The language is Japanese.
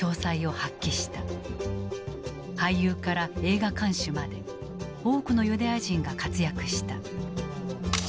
俳優から映画館主まで多くのユダヤ人が活躍した。